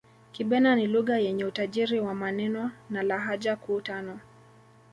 Kibena ni Lugha yenye utajiri wa maneno na lahaja kuu tano